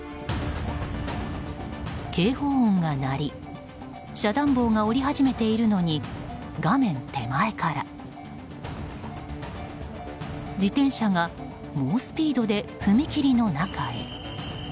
警報音が鳴り遮断棒が下り始めているのに画面手前から自転車が猛スピードで踏切の中へ。